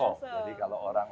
olah roso jadi kalau orang